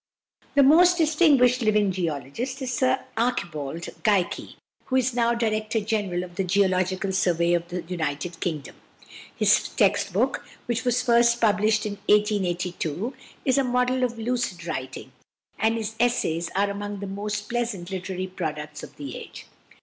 The most distinguished living geologist is Sir Archibald Geikie, who is now director general of the Geological Survey of the United Kingdom. His "Text Book," which was first published in 1882, is a model of lucid writing, and his essays are among the most pleasant literary products of the age.